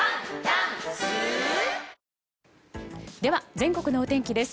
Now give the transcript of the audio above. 全国のお天気です。